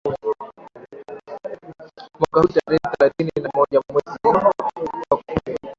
mwaka huu tarehe thelathini na moja mwezi wa kumi